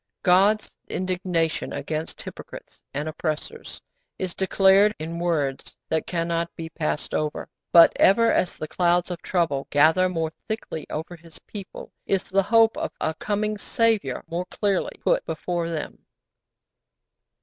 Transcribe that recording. God's indignation against hypocrites and oppressors is declared in words that cannot be passed over; but ever as the clouds of trouble gather more thickly over His people is the hope of a coming Saviour more clearly put before them.